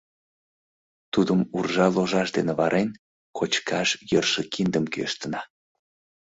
Тудым уржа ложаш дене варен, кочкаш йӧршӧ киндым кӱэштына.